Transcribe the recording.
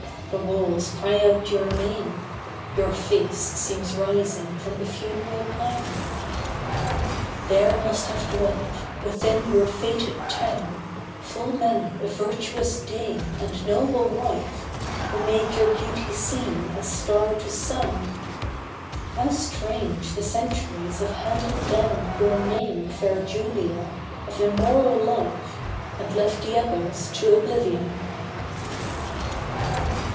The walls cry out your name— Your face seems rising from the funeral pyre. There must have dwelt, within your fated town, Full many a virtuous dame, and noble wife Who made your beauty seem as star to sun; How strange the centuries have handed down Your name, fair Julia, of immoral life, And left the others to oblivion.